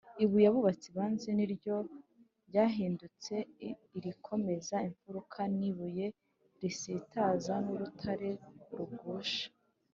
‘ibuye abubatsi banze ni ryo ryahindutse irikomeza imfuruka, ni ibuye risitaza n’urutare rugusha’